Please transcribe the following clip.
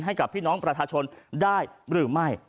ให้กับพี่น้องประชาชนได้หรือไม่